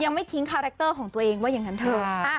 ไม่ทิ้งคาแรคเตอร์ของตัวเองว่าอย่างนั้นเถอะ